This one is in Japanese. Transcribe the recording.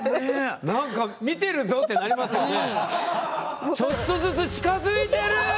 なんか見てるぞってなりますよね。